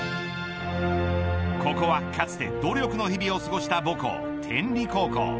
ここはかつて努力の日々を過ごした母校、天理高校。